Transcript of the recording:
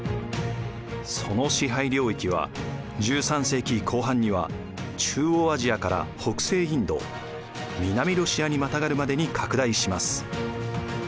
その支配領域は１３世紀後半には中央アジアから北西インド南ロシアにまたがるまでに拡大します。